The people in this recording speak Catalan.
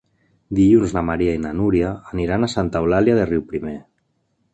Dilluns na Maria i na Núria aniran a Santa Eulàlia de Riuprimer.